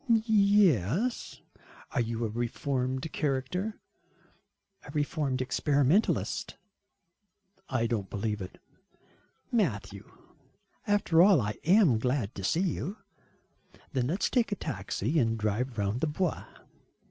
"Yes." "Are you a reformed character?" "A reformed experimentalist." "I don't believe it." "Matthew, after all I am glad to see you." "Then let us take a taxi and drive round the Bois."